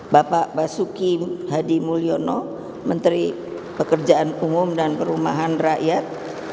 bapak basuki hadi mulyono menteri pekerjaan umum dan perumahan rakyat